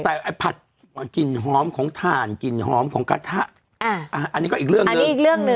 แต่ไอ้ผัดกลิ่นหอมของถ่านกลิ่นหอมของกระทะอันนี้ก็อีกเรื่องนึง